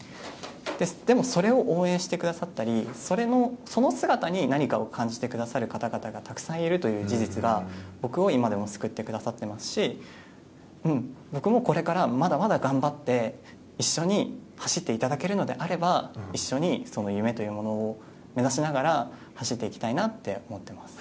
でも、それを応援してくださったりその姿に何かを感じてくださる方々がたくさんいるという事実が僕を今でも救ってくださっていますし僕もこれからまだまだ頑張って一緒に走っていただけるのであれば一緒にその夢というものを目指しながら走っていきたいなと思っています。